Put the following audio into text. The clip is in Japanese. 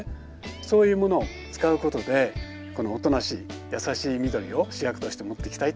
そういうものを使うことでこのおとなしい優しい緑を主役として持っていきたい。